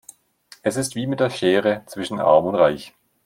Es ist wie mit der Schere zwischen arm und reich.